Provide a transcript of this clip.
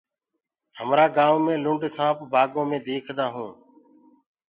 همرآ گآئونٚ ڪآ لِنڊ سآنپ بآگآنٚ مي ديکدآ هينٚ۔